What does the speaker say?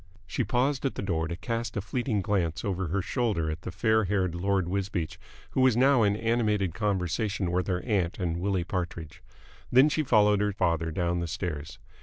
She paused at the door to cast a fleeting glance over her shoulder at the fair haired Lord Wisbeach, who was now in animated conversation with her aunt and Willie Partridge; then she followed her father down the stairs.